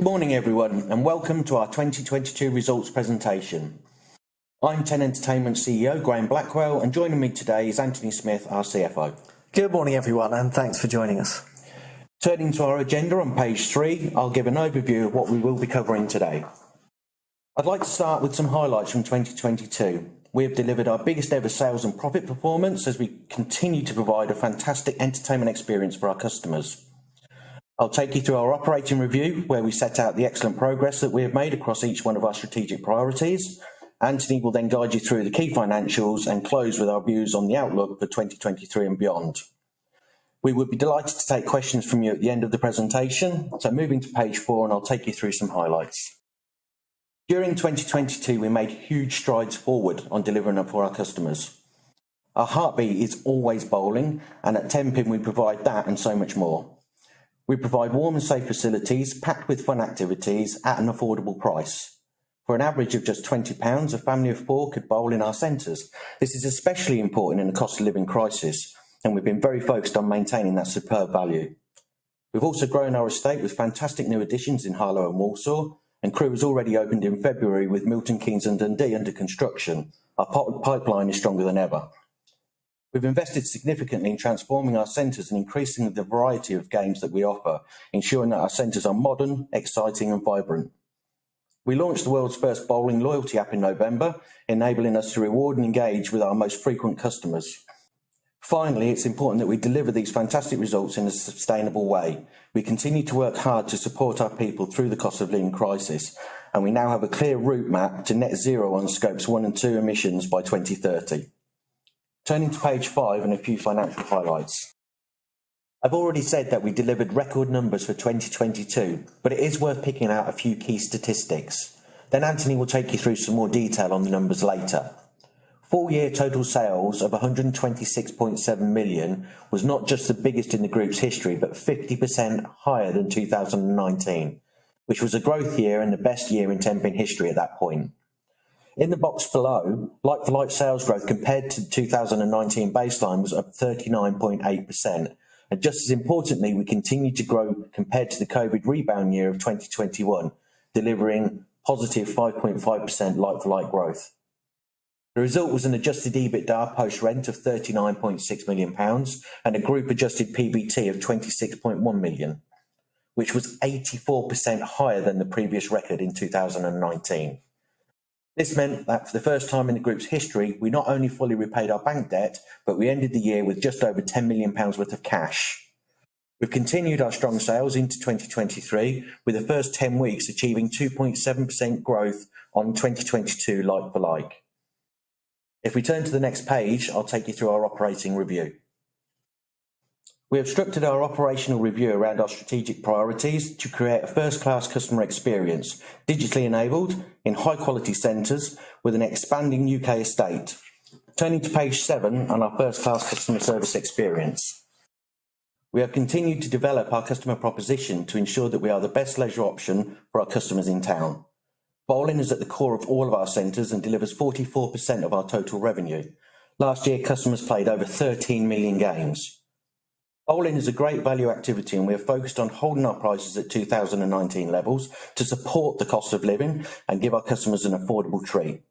Good morning, everyone, and welcome to our 2022 results presentation. I'm Ten Entertainment CEO, Graham Blackwell, and joining me today is Antony Smith, our CFO. Good morning, everyone, and thanks for joining us. Turning to our agenda on page 3, I'll give an overview of what we will be covering today. I'd like to start with some highlights from 2022. We have delivered our biggest ever sales and profit performance as we continue to provide a fantastic entertainment experience for our customers. I'll take you through our operating review, where we set out the excellent progress that we have made across each one of our strategic priorities. Antony will guide you through the key financials and close with our views on the outlook for 2023 and beyond. We would be delighted to take questions from you at the end of the presentation. Moving to page 4, I'll take you through some highlights. During 2022, we made huge strides forward on delivering for our customers. Our heartbeat is always bowling, and at Tenpin we provide that and so much more. We provide warm and safe facilities packed with fun activities at an affordable price. For an average of just 20 pounds, a family of 4 could bowl in our centers. This is especially important in the cost of living crisis, and we've been very focused on maintaining that superb value. We've also grown our estate with fantastic new additions in Harlow and Walsall, and Crewe was already opened in February, with Milton Keynes and Dundee under construction. Our pipeline is stronger than ever. We've invested significantly in transforming our centers and increasing the variety of games that we offer, ensuring that our centers are modern, exciting and vibrant. We launched the world's 1st bowling loyalty app in November, enabling us to reward and engage with our most frequent customers. Finally, it's important that we deliver these fantastic results in a sustainable way. We continue to work hard to support our people through the cost of living crisis, and we now have a clear roadmap to net zero on Scopes 1 and 2 emissions by 2030. Turning to page five and a few financial highlights. I've already said that we delivered record numbers for 2022, but it is worth picking out a few key statistics. Antony will take you through some more detail on the numbers later. Full year total sales of 126.7 million was not just the biggest in the group's history, but 50% higher than 2019, which was a growth year and the best year in Tenpin history at that point. In the box below, like-for-like sales growth compared to 2019 baseline was up 39.8%. Just as importantly, we continued to grow compared to the COVID rebound year of 2021, delivering positive 5.5% like-for-like growth. The result was an adjusted EBITDA post rent of 39.6 million pounds and a group adjusted PBT of 26.1 million, which was 84% higher than the previous record in 2019. This meant that for the first time in the group's history, we not only fully repaid our bank debt, but we ended the year with just over 10 million pounds worth of cash. We've continued our strong sales into 2023, with the first 10 weeks achieving 2.7% growth on 2022 like-for-like. We turn to the next page, I'll take you through our operating review. We have structured our operational review around our strategic priorities to create a first-class customer experience, digitally enabled in high-quality centers with an expanding U.K. estate. Turning to page 7 on our first-class customer service experience. We have continued to develop our customer proposition to ensure that we are the best leisure option for our customers in town. Bowling is at the core of all of our centers and delivers 44% of our total revenue. Last year, customers played over 13 million games. Bowling is a great value activity, and we are focused on holding our prices at 2019 levels to support the cost of living and give our customers an affordable treat.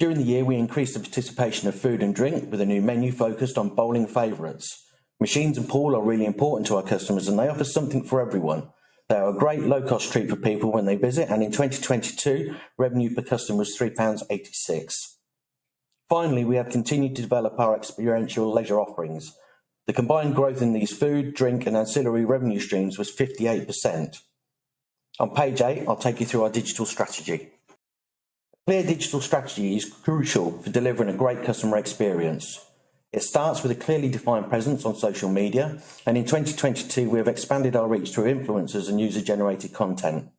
During the year, we increased the participation of food and drink with a new menu focused on bowling favorites. Machines and pool are really important to our customers, and they offer something for everyone. They are a great low-cost treat for people when they visit, and in 2022, revenue per customer was 3.86. Finally, we have continued to develop our experiential leisure offerings. The combined growth in these food, drink and ancillary revenue streams was 58%. On page eight, I'll take you through our digital strategy. A clear digital strategy is crucial for delivering a great customer experience. It starts with a clearly defined presence on social media, and in 2022, we have expanded our reach through influencers and user-generated content.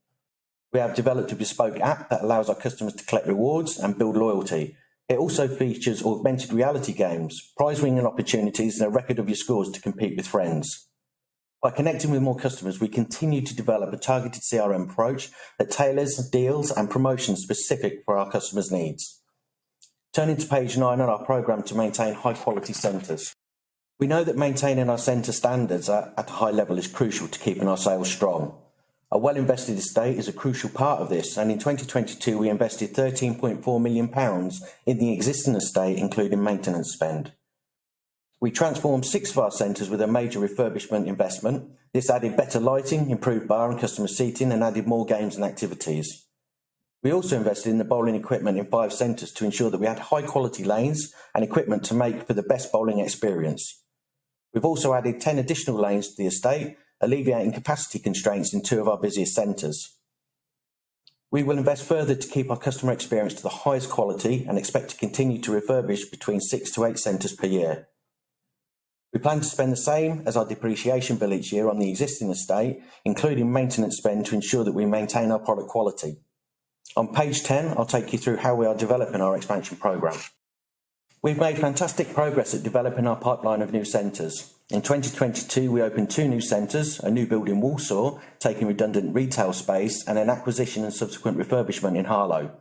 We have developed a bespoke app that allows our customers to collect rewards and build loyalty. It also features augmented reality games, prize-winning opportunities, and a record of your scores to compete with friends. By connecting with more customers, we continue to develop a targeted CRM approach that tailors deals and promotions specific for our customers' needs. Turning to page 9 on our program to maintain high-quality centers. We know that maintaining our center standards at a high level is crucial to keeping our sales strong. A well-invested estate is a crucial part of this, in 2022 we invested 13.4 million pounds in the existing estate, including maintenance spend. We transformed six of our centers with a major refurbishment investment. This added better lighting, improved bar and customer seating, and added more games and activities. We also invested in the bowling equipment in five centers to ensure that we had high-quality lanes and equipment to make for the best bowling experience. We've also added 10 additional lanes to the estate, alleviating capacity constraints in two of our busiest centers. We will invest further to keep our customer experience to the highest quality and expect to continue to refurbish between 6-8 centers per year. We plan to spend the same as our depreciation bill each year on the existing estate, including maintenance spend to ensure that we maintain our product quality. On page 10, I'll take you through how we are developing our expansion program. We've made fantastic progress at developing our pipeline of new centers. In 2022, we opened 2 new centers, a new build in Walsall, taking redundant retail space, and an acquisition and subsequent refurbishment in Harlow.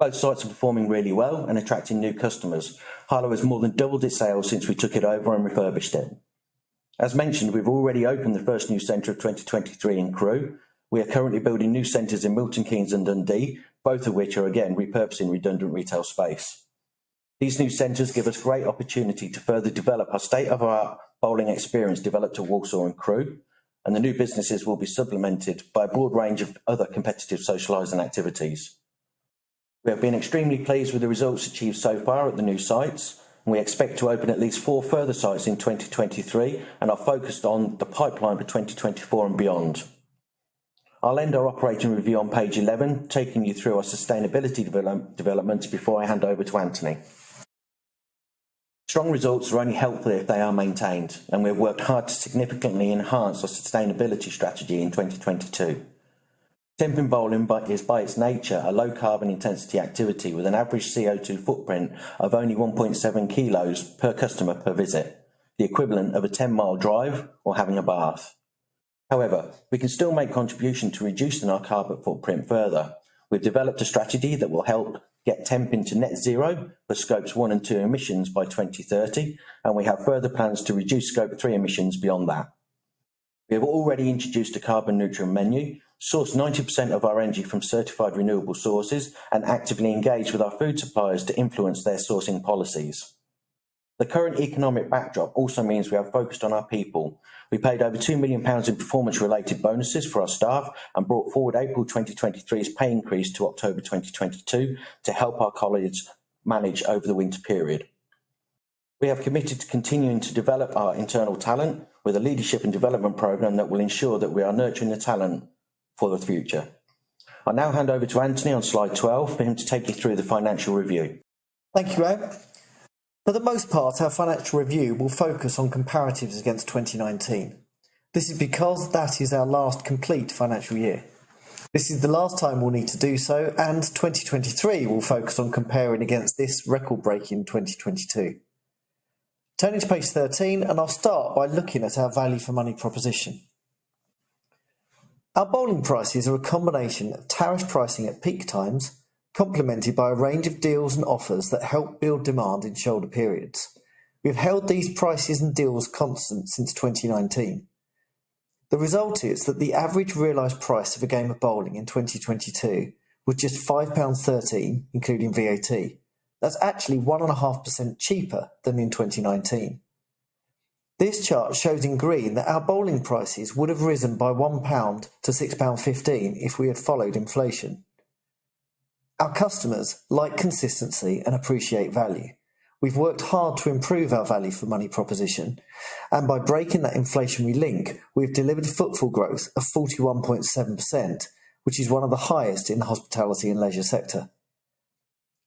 Both sites are performing really well and attracting new customers. Harlow has more than doubled its sales since we took it over and refurbished it. As mentioned, we've already opened the first new center of 2023 in Crewe. We are currently building new centers in Milton Keynes and Dundee, both of which are again repurposing redundant retail space. These new centers give us great opportunity to further develop our state of our bowling experience developed at Walsall and Crewe. The new businesses will be supplemented by a broad range of other competitive socializing activities. We have been extremely pleased with the results achieved so far at the new sites. We expect to open at least four further sites in 2023 and are focused on the pipeline for 2024 and beyond. I'll end our operating review on page 11, taking you through our sustainability development before I hand over to Antony. Strong results are only helpful if they are maintained. We've worked hard to significantly enhance our sustainability strategy in 2022. Tenpin bowling is by its nature a low carbon intensity activity with an average CO₂ footprint of only 1.7 kilos per customer per visit, the equivalent of a 10-mile drive or having a bath. We can still make contribution to reducing our carbon footprint further. We've developed a strategy that will help get Tenpin to net zero for Scopes 1 and 2 emissions by 2030, and we have further plans to reduce Scope 3 emissions beyond that. We have already introduced a carbon-neutral menu, sourced 90% of our energy from certified renewable sources, and actively engaged with our food suppliers to influence their sourcing policies. The current economic backdrop also means we are focused on our people. We paid over 2 million pounds in performance-related bonuses for our staff and brought forward April 2023's pay increase to October 2022 to help our colleagues manage over the winter period. We have committed to continuing to develop our internal talent with a leadership and development program that will ensure that we are nurturing the talent for the future. I now hand over to Antony on slide 12 for him to take you through the financial review. Thank you, Graham. For the most part, our financial review will focus on comparatives against 2019. This is because that is our last complete financial year. This is the last time we'll need to do so, and 2023 will focus on comparing against this record-breaking 2022. Turning to page 13, I'll start by looking at our value for money proposition. Our bowling prices are a combination of tariff pricing at peak times, complemented by a range of deals and offers that help build demand in shoulder periods. We have held these prices and deals constant since 2019. The result is that the average realized price of a game of bowling in 2022 was just 5.13 pounds, including VAT. That's actually 1.5% cheaper than in 2019. This chart shows in green that our bowling prices would have risen by 1 pound to 6.15 pound if we had followed inflation. Our customers like consistency and appreciate value. We've worked hard to improve our value for money proposition, and by breaking that inflationary link, we've delivered footfall growth of 41.7%, which is one of the highest in the hospitality and leisure sector.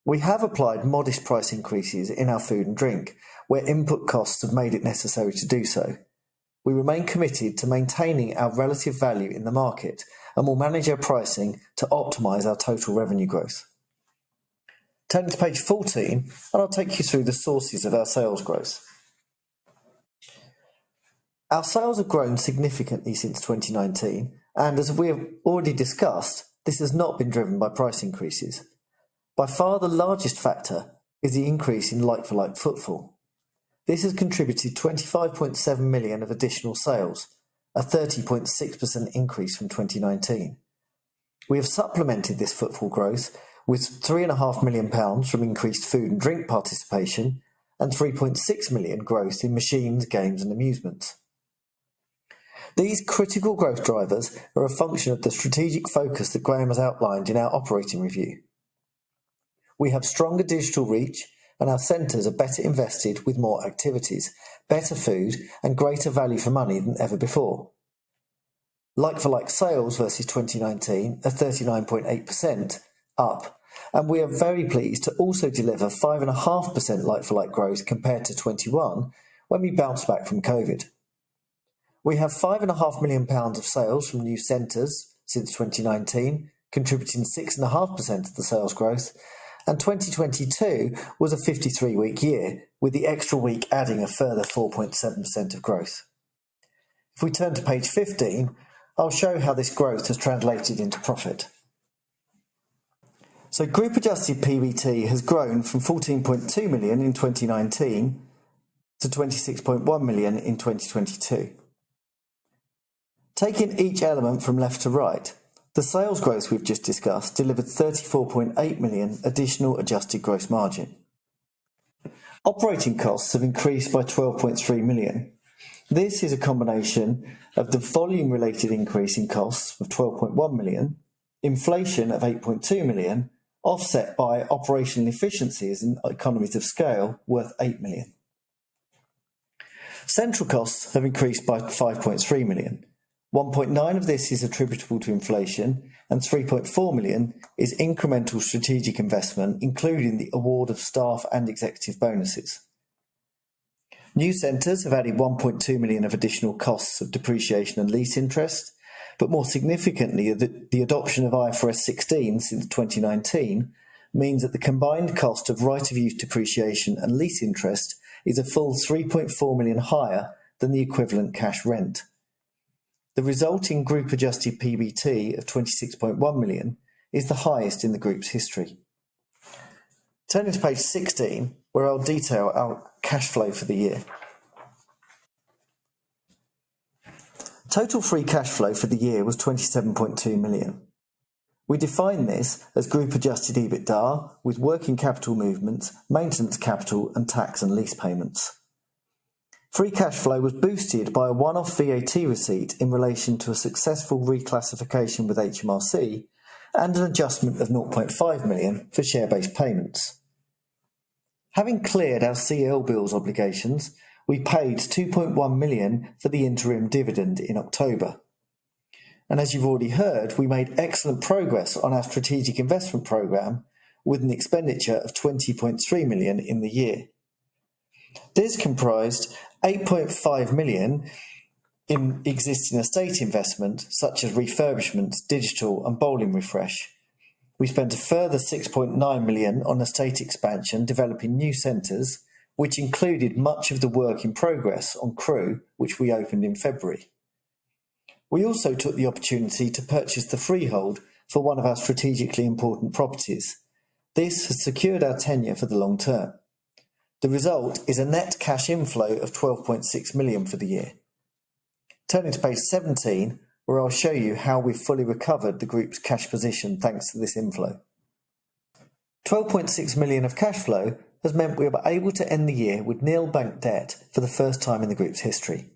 We have applied modest price increases in our food and drink, where input costs have made it necessary to do so. We remain committed to maintaining our relative value in the market and will manage our pricing to optimize our total revenue growth. Turning to page 14, and I'll take you through the sources of our sales growth. Our sales have grown significantly since 2019, and as we have already discussed, this has not been driven by price increases. By far, the largest factor is the increase in like-for-like footfall. This has contributed 25.7 million of additional sales, a 30.6% increase from 2019. We have supplemented this footfall growth with 3.5 million pounds from increased food and drink participation and 3.6 million growth in machines, games and amusements. These critical growth drivers are a function of the strategic focus that Graham has outlined in our operating review. We have stronger digital reach and our centers are better invested with more activities, better food, and greater value for money than ever before. Like-for-like sales versus 2019 are 39.8% up. We are very pleased to also deliver 5.5% like-for-like growth compared to 2021, when we bounced back from COVID. We have five and a half million GBP of sales from new centers since 2019, contributing 6.5% of the sales growth. 2022 was a 53-week year, with the extra week adding a further 4.7% of growth. If we turn to page 15, I'll show how this growth has translated into profit. Group adjusted PBT has grown from 14.2 million in 2019 to 26.1 million in 2022. Taking each element from left to right, the sales growth we've just discussed delivered 34.8 million additional adjusted gross margin. Operating costs have increased by 12.3 million. This is a combination of the volume-related increase in costs of 12.1 million, inflation of 8.2 million, offset by operational efficiencies and economies of scale worth 8 million. Central costs have increased by 5.3 million. 1.9 million of this is attributable to inflation, and 3.4 million is incremental strategic investment, including the award of staff and executive bonuses. New centers have added 1.2 million of additional costs of depreciation and lease interest. More significantly, the adoption of IFRS 16 since 2019 means that the combined cost of right-of-use depreciation and lease interest is a full 3.4 million higher than the equivalent cash rent. The resulting group adjusted PBT of 26.1 million is the highest in the group's history. Turning to page 16, where I'll detail our cash flow for the year. Total free cash flow for the year was 27.2 million. We define this as group adjusted EBITDA with working capital movements, maintenance capital and tax and lease payments. Free cash flow was boosted by a one-off VAT receipt in relation to a successful reclassification with HMRC and an adjustment of 0.5 million for share-based payments. Having cleared our CLBILS obligations, we paid 2.1 million for the interim dividend in October. As you've already heard, we made excellent progress on our strategic investment program with an expenditure of 20.3 million in the year. This comprised 8.5 million in existing estate investment such as refurbishments, digital and bowling refresh. We spent a further 6.9 million on estate expansion, developing new centers, which included much of the work in progress on Crewe, which we opened in February. We also took the opportunity to purchase the freehold for one of our strategically important properties. This has secured our tenure for the long term. The result is a net cash inflow of 12.6 million for the year. Turning to page 17, where I'll show you how we fully recovered the group's cash position thanks to this inflow. 12.6 million of cash flow has meant we were able to end the year with nil bank debt for the first time in the group's history.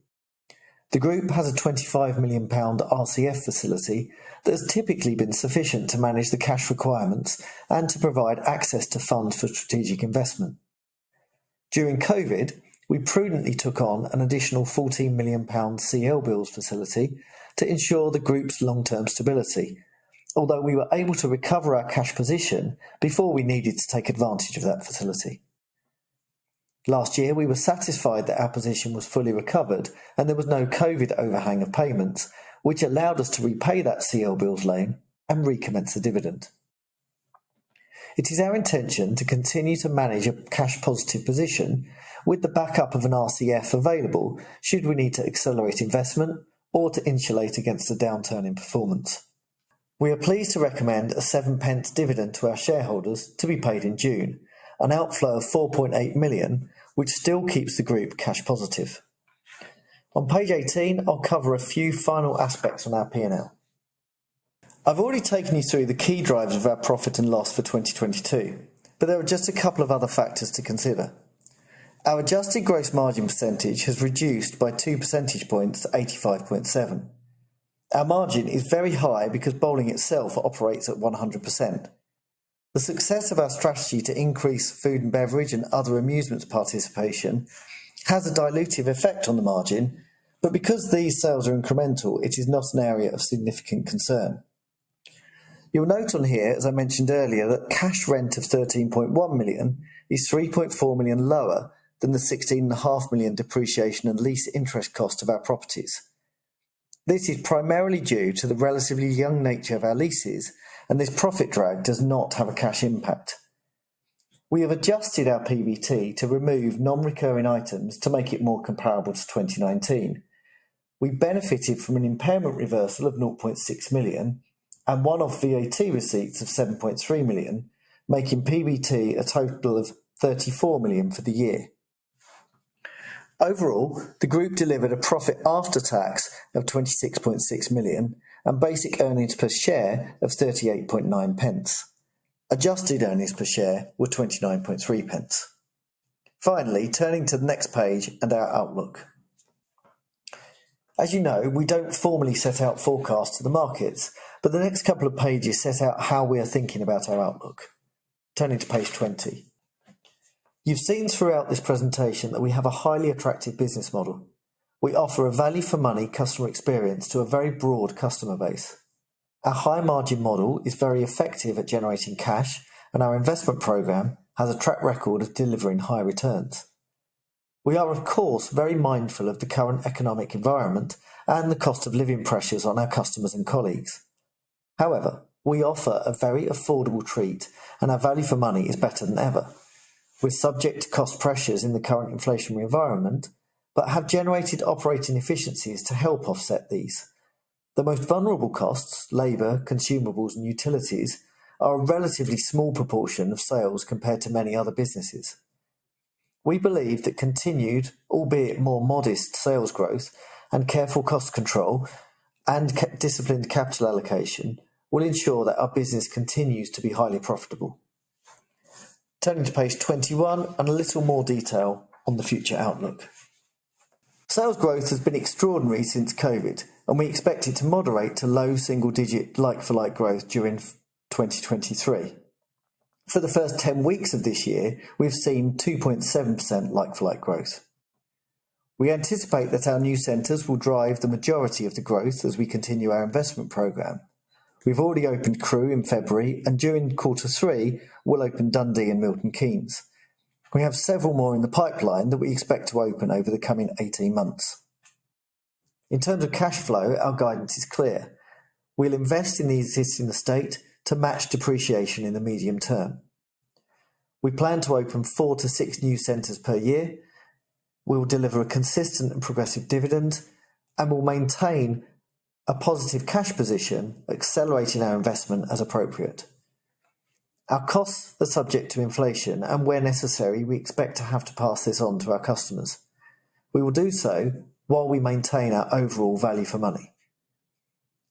The group has a 25 million pound RCF facility that has typically been sufficient to manage the cash requirements and to provide access to funds for strategic investment. During COVID, we prudently took on an additional 14 million pound CLBILS facility to ensure the group's long-term stability. Although we were able to recover our cash position before we needed to take advantage of that facility. Last year, we were satisfied that our position was fully recovered and there was no COVID overhang of payments, which allowed us to repay that CLBILS loan and recommence the dividend. It is our intention to continue to manage a cash positive position with the backup of an RCF available should we need to accelerate investment or to insulate against a downturn in performance. We are pleased to recommend a 7 pence dividend to our shareholders to be paid in June, an outflow of 4.8 million, which still keeps the group cash positive. On page 18, I'll cover a few final aspects on our P&L. I've already taken you through the key drivers of our profit and loss for 2022, there are just a couple of other factors to consider. Our adjusted gross margin percentage has reduced by 2 percentage points to 85.7%. Our margin is very high because bowling itself operates at 100%. The success of our strategy to increase food and beverage and other amusements participation has a dilutive effect on the margin, but because these sales are incremental, it is not an area of significant concern. You'll note on here, as I mentioned earlier, that cash rent of 13.1 million is 3.4 million lower than the 16.5 million depreciation and lease interest cost of our properties. This is primarily due to the relatively young nature of our leases, and this profit drag does not have a cash impact. We have adjusted our PBT to remove non-recurring items to make it more comparable to 2019. We benefited from an impairment reversal of 0.6 million and one-off VAT receipts of 7.3 million, making PBT a total of 34 million for the year. Overall, the group delivered a profit after tax of 26.6 million and basic earnings per share of 38.9 pence. Adjusted earnings per share were 29.3 pence. Finally, turning to the next page and our outlook. As you know, we don't formally set out forecasts to the markets, but the next couple of pages set out how we are thinking about our outlook. Turning to page 20. You've seen throughout this presentation that we have a highly attractive business model. We offer a value for money customer experience to a very broad customer base. Our high margin model is very effective at generating cash, and our investment program has a track record of delivering high returns. We are, of course, very mindful of the current economic environment and the cost of living pressures on our customers and colleagues. However, we offer a very affordable treat, and our value for money is better than ever. We're subject to cost pressures in the current inflationary environment but have generated operating efficiencies to help offset these. The most vulnerable costs, labor, consumables, and utilities are a relatively small proportion of sales compared to many other businesses. We believe that continued, albeit more modest, sales growth and careful cost control and disciplined capital allocation will ensure that our business continues to be highly profitable. Turning to page 21 and a little more detail on the future outlook. Sales growth has been extraordinary since COVID. We expect it to moderate to low single digit like-for-like growth during 2023. For the first 10 weeks of this year, we've seen 2.7% like-for-like growth. We anticipate that our new centers will drive the majority of the growth as we continue our investment program. We've already opened Crewe in February. During Q3, we'll open Dundee and Milton Keynes. We have several more in the pipeline that we expect to open over the coming 18 months. In terms of cash flow, our guidance is clear. We'll invest in the existing estate to match depreciation in the medium term. We plan to open 4-6 new centers per year. We will deliver a consistent and progressive dividend and will maintain a positive cash position, accelerating our investment as appropriate. Our costs are subject to inflation. Where necessary, we expect to have to pass this on to our customers. We will do so while we maintain our overall value for money.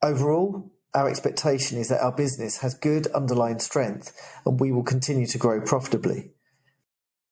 Overall, our expectation is that our business has good underlying strength. We will continue to grow profitably.